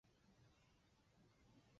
后来陆续改编成漫画和小说。